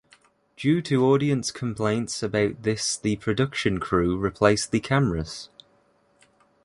Due to audience complaints about this the production crew replaced the cameras.